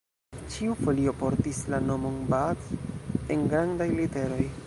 Ĉiu folio portis la nomon Bath en grandaj literoj.